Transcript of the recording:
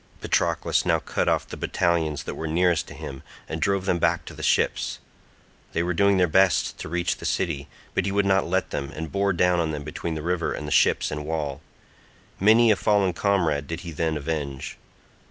Patroclus now cut off the battalions that were nearest to him and drove them back to the ships. They were doing their best to reach the city, but he would not let them, and bore down on them between the river and the ships and wall. Many a fallen comrade did he then avenge.